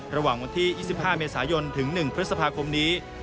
ระหว่างวันที่๒๕เมษายนถึง๑พฤษภาคมนี้